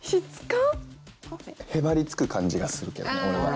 へばりつく感じがするけどね俺は。